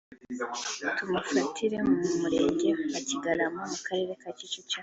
tumufatira mu Murenge wa Kigarama mu Karere ka Kicukiro